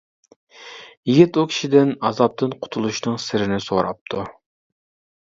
يىگىت ئۇ كىشىدىن ئازابتىن قۇتۇلۇشنىڭ سىرىنى سوراپتۇ.